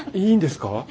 いいんですか？